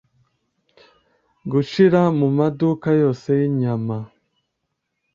gushira mu maduka yose y'inyama